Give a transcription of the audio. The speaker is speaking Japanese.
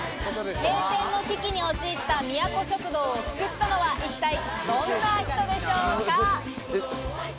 閉店の危機に陥ったみやこ食堂を救ったのは一体どんな人でしょうか？